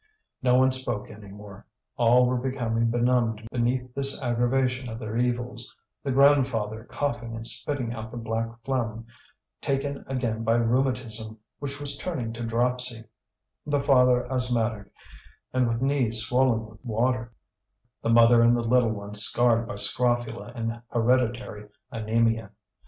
No one spoke any more; all were becoming benumbed beneath this aggravation of their evils; the grandfather, coughing and spitting out the black phlegm, taken again by rheumatism which was turning to dropsy; the father asthmatic, and with knees swollen with water; the mother and the little ones scarred by scrofula and hereditary anaemia.